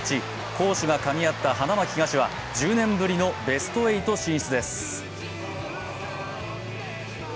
攻守がかみ合った花巻東は１０年ぶりのベスト８進出です。